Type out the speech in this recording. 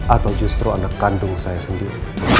atau justru anak kandung saya sendiri